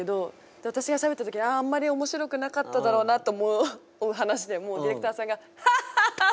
私がしゃべった時あああんまり面白くなかっただろうなと思う話でもディレクターさんが「ハッハッハッハッ！」